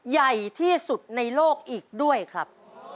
ใหญ่ที่สุดในโลกอีกด้วยครับ